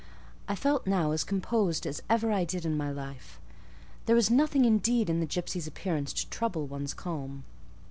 I felt now as composed as ever I did in my life: there was nothing indeed in the gipsy's appearance to trouble one's calm.